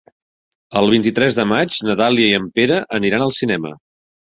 El vint-i-tres de maig na Dàlia i en Pere aniran al cinema.